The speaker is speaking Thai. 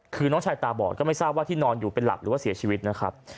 คือน้องชายตาบอดก็ไม่ทราบว่าที่นอนอยู่เป็นหลักหรือว่าเสียชีวิตนะครับ